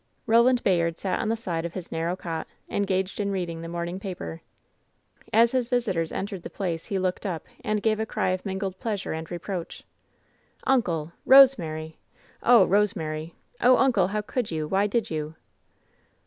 Roland Bayard sat on the side of his narrow cot, en gaged in reading the morning paper. WHEN SHADOWS DIE 121 As his visitors entered the place he looked up, and gave a cry of mingled pleasure and reproach. "Uncle! Eosemary! Oh, Eosemary! Oh, uncle, how could you ? Why did you